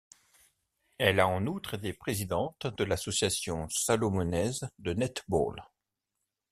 Elle a en outre été présidente de l'Association salomonaise de netball.